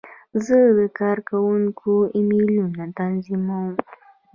زه د کارکوونکو ایمیلونه تنظیموم.